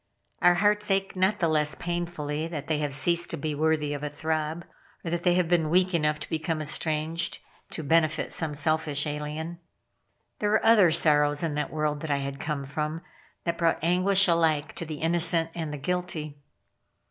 Our hearts ache not the less painfully that they have ceased to be worthy of a throb; or that they have been weak enough to become estranged, to benefit some selfish alien. There were other sorrows in that world that I had come from, that brought anguish alike to the innocent and the guilty.